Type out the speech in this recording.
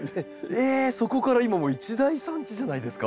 えっそこから今もう一大産地じゃないですか。